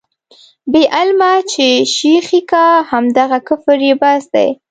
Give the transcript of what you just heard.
بې علمه چې شېخي کا، همدغه کفر یې بس دی.